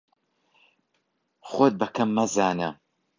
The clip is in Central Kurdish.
خۆت بە کەم مەزانە.